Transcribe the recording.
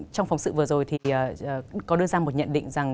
trong phóng sự vừa rồi thì có đưa ra một nhận định rằng